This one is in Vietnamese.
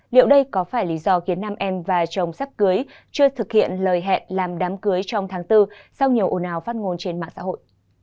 liệu đây có phải lý do khiến nam em và chồng sắp cưới chưa thực hiện lời hẹn làm đám cưới trong tháng bốn sau nhiều ồ nào phát ngôn trên mạng xã hội